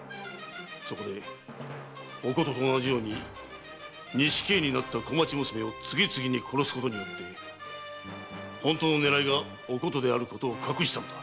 そこでお琴と同じように錦絵になった小町娘を次々に殺すことによって本当の狙いがお琴であることを隠したのだ！